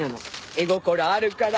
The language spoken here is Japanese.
絵心あるから。